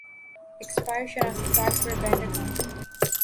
expire شناختی card پر bank account